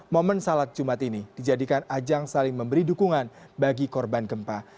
momen salat jumat ini dijadikan ajang saling memberi dukungan bagi korban gempa